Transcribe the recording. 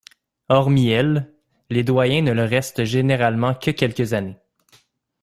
Hormis elle, les doyens ne le restent généralement que quelques années.